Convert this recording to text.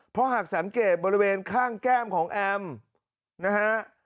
เพราะหากสังเกตบริเวณข้างแก้มของแอมนะฮะ